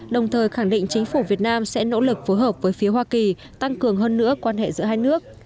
đồng thời khẳng định chính phủ việt nam sẽ nỗ lực phối hợp với phía hoa kỳ tăng cường hơn nữa quan hệ giữa hai nước